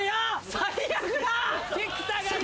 最悪だ！